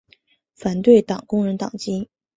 反对党工人党籍。